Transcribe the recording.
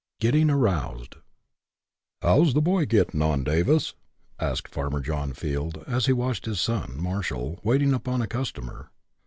GETTING AROUSED OW'S the boy gittin' on, Davis?" asked Farmer John Field, as he watched his son, Marshall, waiting upon a customer.